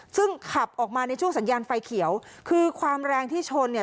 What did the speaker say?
ซึ่งขับออกมาในช่วงสัญญาณไฟเขียวคือความแรงที่ชนเนี่ย